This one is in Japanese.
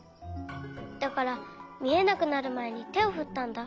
だからみえなくなるまえにてをふったんだ。